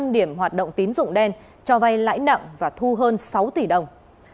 một mươi năm điểm hoạt động tín dụng đen cho vay lãi nặng và thu hơn sáu tỷ đồng